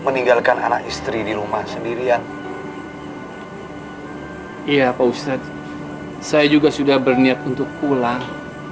meninggalkan anak istri di rumah sendirian iya pak ustadz saya juga sudah berniat untuk pulang